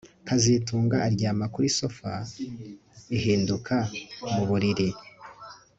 kazitunga aryama kuri sofa ihinduka muburiri